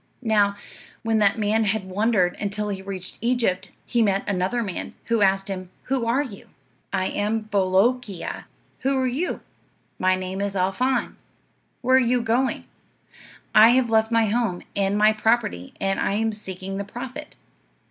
"Now, when that man had wandered until he reached Egypt, he met another man, who asked him, 'Who are you?' "'I am Bolookeea. Who are you?' "'My name is Al Faan'. Where are you going?' "'I have left my home, and my property, and I am seeking the prophet.